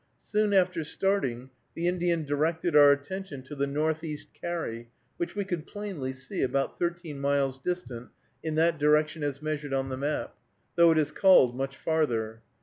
Soon after starting, the Indian directed our attention to the Northeast Carry, which we could plainly see, about thirteen miles distant in that direction as measured on the map, though it is called much farther.